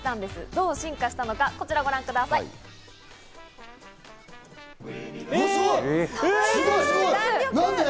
どう進化したのか、こちらをご覧ください。え！